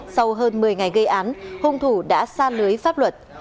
sau hơn một mươi ngày gây án hung thủ đã xa lưới pháp luật